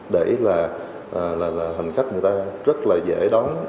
để là hành khách người ta rất là dễ đón